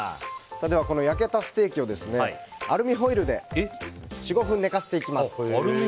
焼けたステーキをアルミホイルで４５分、寝かせていきます。